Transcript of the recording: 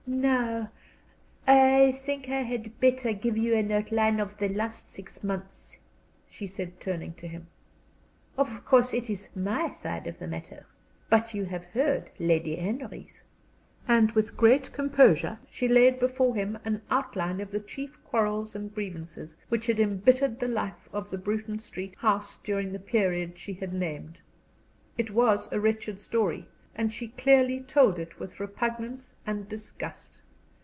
"Now I think I had better give you an outline of the last six months," she said, turning to him. "Of course it is my side of the matter. But you have heard Lady Henry's." And with great composure she laid before him an outline of the chief quarrels and grievances which had embittered the life of the Bruton Street house during the period she had named. It was a wretched story, and she clearly told it with repugnance and disgust.